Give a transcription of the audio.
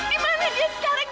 di mana dia sekarang